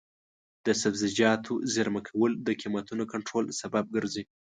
د سبزیجاتو زېرمه کول د قیمتونو کنټرول سبب ګرځي.